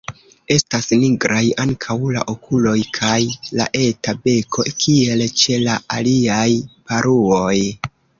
Estas nigraj ankaŭ la okuloj kaj la eta beko, kiel ĉe la aliaj paruoj.